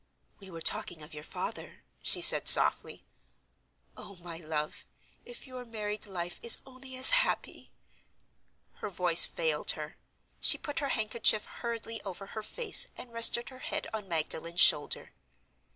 "We were talking of your father," she said, softly. "Oh, my love, if your married life is only as happy—" Her voice failed her; she put her handkerchief hurriedly over her face and rested her head on Magdalen's shoulder.